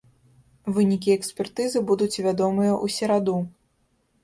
Вынікі экспертызы будуць вядомыя ў сераду.